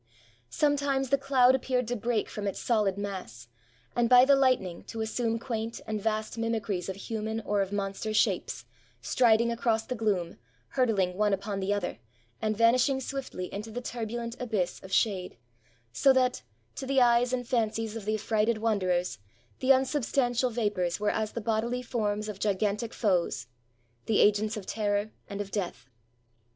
Sometimes the cloud appeared to break from its solid mass, and, by the lightning, to assume quaint and vast mimicries of human or of monster shapes, striding across the gloom, hurtling one upon the other, and vanishing swiftly into the turbulent abyss of shade; so that, to the eyes and fancies of the affrighted wan derers, the unsubstantial vapors were as the bodily 446 THE DESTRUCTION OF POMPEII forms of gigantic foes — the agents of terror and of death.